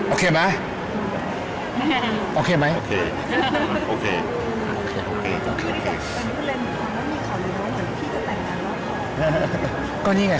โอเคมั้ย